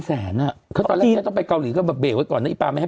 ไหนเธอจะให้ฉันไปถ่ายโฆษณาละกัน